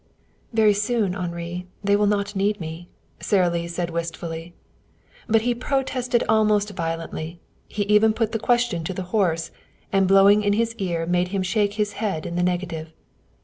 "Very soon, Henri, they will not need me," Sara Lee said wistfully. But he protested almost violently. He even put the question to the horse, and blowing in his ear made him shake his head in the negative.